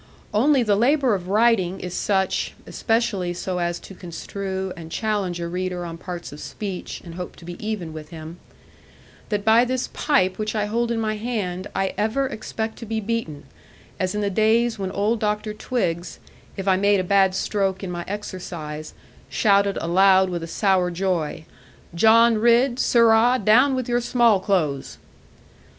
Only the labour of writing is such (especially so as to construe, and challenge a reader on parts of speech, and hope to be even with him); that by this pipe which I hold in my hand I ever expect to be beaten, as in the days when old Doctor Twiggs, if I made a bad stroke in my exercise, shouted aloud with a sour joy, 'John Ridd, sirrah, down with your small clothes!'